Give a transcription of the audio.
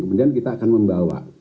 kemudian kita akan membawa